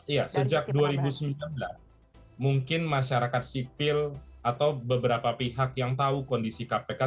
iya sejak dua ribu sembilan belas mungkin masyarakat sipil atau beberapa pihak yang tahu kondisi kpk